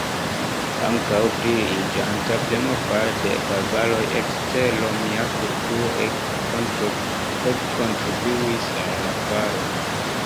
Ankaŭ pliiĝanta premo fare de "barbaroj" ekster romia kulturo ege kontribuis al la falo.